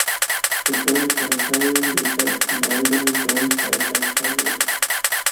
The current planetarium replaces an older, dome-style planetarium.